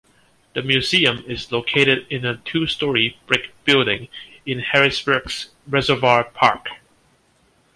The museum is located in a two-story brick building in Harrisburg's Reservoir Park.